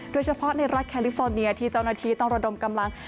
โดยเฉพาะในรัฐแคลิฟอร์เนียที่เจ้าหน้าที่ต้องระดมกำลัง